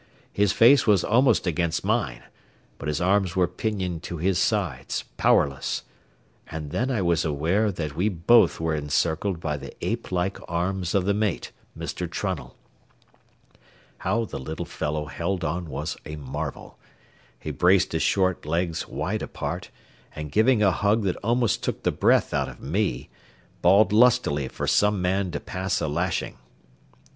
His face was almost against mine, but his arms were pinioned to his sides, powerless, and then I was aware that we both were encircled by the ape like arms of the mate, Mr. Trunnell. How the little fellow held on was a marvel. He braced his short legs wide apart, and giving a hug that almost took the breath out of me, bawled lustily for some man to pass a lashing.